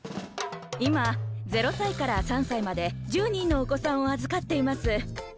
今０歳から３歳まで１０人のお子さんを預かっています。